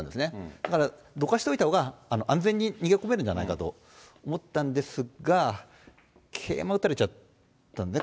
だからどかしておいたほうが安全に逃げ込めるんじゃないかと思ったんですが、桂馬打たれちゃったんですね。